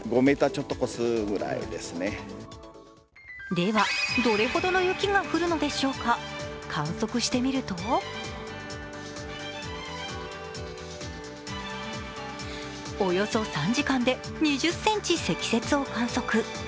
ではどれほどの雪が降るのでしょうか、観測してみるとおよそ３時間で２０ｃｍ積雪を観測。